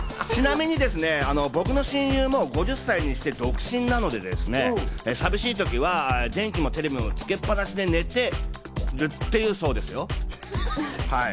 僕の親友も５０歳にして独身なので寂しいときは、電気もテレビもつけっぱなしで寝てるそうですよ。